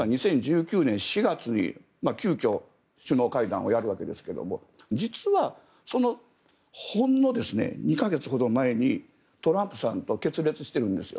実は２０１９年４月に急きょ首脳会談をやるわけですが実はそのほんの２か月ほど前にトランプさんと決裂してるんです。